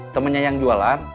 temennya yang jualan